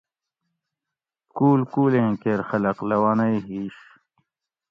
کُول کُول ایں کیر خلق لونئ ہِیش